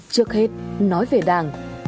trước hết nói về đảng